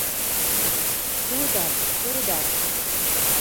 — Тудак, тудак...